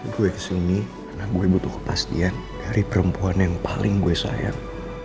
gue kesini karena gue butuh kepastian dari perempuan yang paling gue sayang